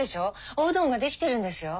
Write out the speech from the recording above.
おうどんが出来てるんですよ。